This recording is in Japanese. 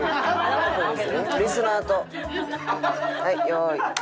はい用意。